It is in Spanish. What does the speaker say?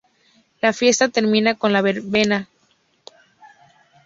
La fiesta termina con la verbena.